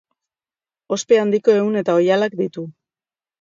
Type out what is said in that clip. Ospe handiko ehun eta oihalak ditu.